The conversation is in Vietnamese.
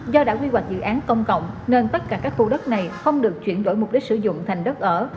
do đã quy hoạch dự án công cộng nên tất cả các khu đất này không được chuyển đổi mục đích sử dụng thành đất ở